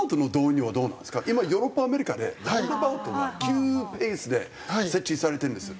今ヨーロッパアメリカでラウンドアバウトが急ペースで設置されてるんです。